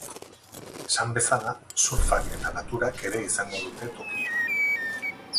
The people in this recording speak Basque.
Esan bezala, surfak eta naturak ere izango dute tokia.